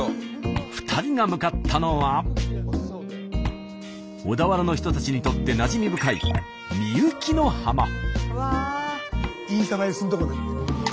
２人が向かったのは小田原の人たちにとってなじみ深いスタジオインスタ映えするとこ。